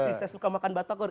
ih saya suka makan batakor